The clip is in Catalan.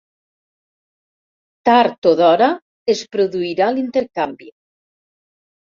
Tard o d'hora es produirà l'intercanvi.